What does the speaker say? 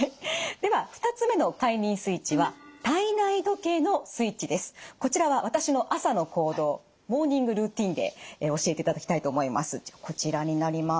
では２つ目の快眠スイッチはこちらは私の朝の行動モーニングルーティンで教えていただきたいと思います。